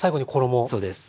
そうです。